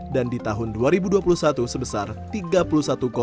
dan di tahun dua ribu dua puluh satu sebesar tiga tiga juta ton